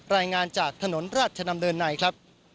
รายงานจากถนนราชดำเนินในครับ